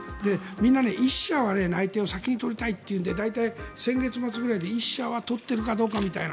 みんな１社は内定を先に取りたいというので大体、先月末ぐらいで１社は取ってるかどうかみたいな